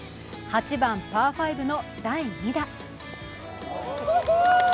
８番パー５の第２打。